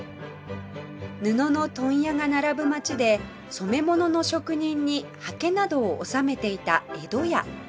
布の問屋が並ぶ町で染め物の職人にはけなどを納めていた江戸屋